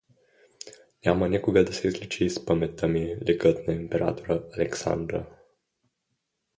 Няма никога да се изличи из паметта ми ликът на императора Александра.